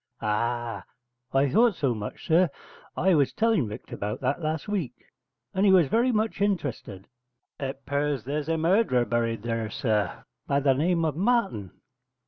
'Ah, I thought so much, sir. I was tell'n Rector 'bout that last week, and he was very much interested. It 'pears there's a murderer buried there, sir, by the name of Martin.